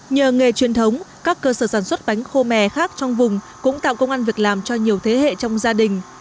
nhờ nghề truyền thống các cơ sở sản xuất bánh khô mè khác trong vùng cũng tạo công an việc làm cho nhiều thế hệ trong gia đình